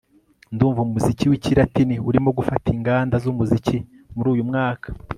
ndumva umuziki wikilatini urimo gufata inganda zumuziki muri uyumwaka